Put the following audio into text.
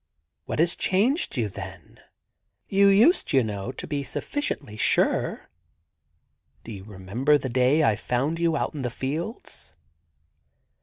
* What has changed you, then ? You used, you know, to be sufficiently sure. ... Do you remember the day I found you out in the fields